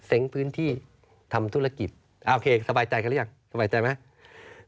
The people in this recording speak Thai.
พื้นที่ทำธุรกิจโอเคสบายใจกันหรือยังสบายใจไหม